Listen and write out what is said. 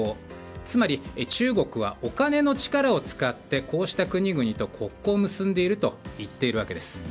つまり、中国はお金の力を使ってこうした国々と国交を結んでいると言っているわけです。